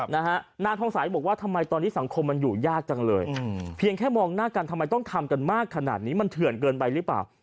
นางทองใสบอกว่าทำไมตอนนี้สังคมมันอยู่ยากจังเลยเพียงแค่มองหน้ากันทำไมต้องทำกันมากขนาดนี้มันเถื่อนเกินไปหรือเปล่า